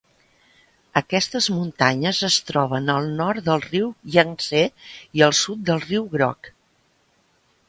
Aquestes muntanyes es troben al nord del riu Iang-Tsé i al sud del Riu Groc.